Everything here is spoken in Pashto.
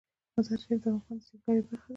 مزارشریف د افغانستان د سیلګرۍ برخه ده.